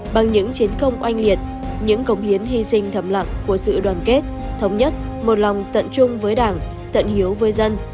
bằng những chiến công oanh liệt những cống hiến hy sinh thầm lặng của sự đoàn kết thống nhất một lòng tận chung với đảng tận hiếu với dân